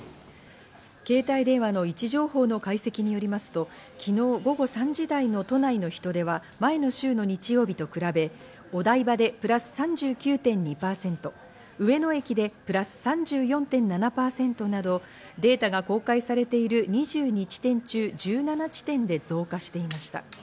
携帯電話の位置情報の解析によりますと、昨日午後３時台の都内の人出は前の週の日曜日と比べ、お台場でプラス３９．２％、上野駅でプラス３４．７％などデータが公開されている２２地点中１７地点で増加していました。